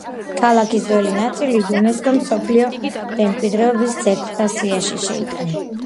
ქალაქის ძველი ნაწილი იუნესკომ მსოფლიო მემკვიდრეობის ძეგლთა სიაში შეიტანა.